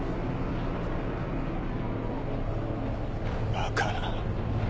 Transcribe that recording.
バカな。